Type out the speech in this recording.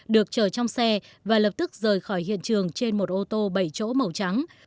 được chờ trong xe và lập tức rời khỏi hiện trường trên một ô tô bảy chỗ màu trắng